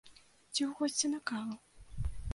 Ці ў госці на каву?